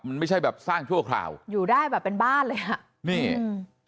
มันไม่ใช่แบบสร้างชั่วคราวอยู่ได้แบบเป็นบ้านเลยอ่ะนี่อืม